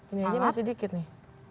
ini aja masih dikit nih